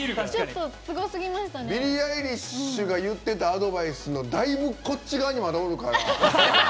ビリー・アイリッシュが言ってたアドバイスのだいぶこっち側に、まだおるから。